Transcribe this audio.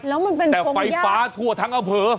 แล้วมันเป็นแต่ไฟฟ้าทั่วทั้งอำเภอ